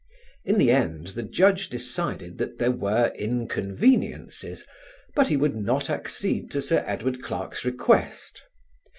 In the end the Judge decided that there were inconveniences; but he would not accede to Sir Edward Clarke's request.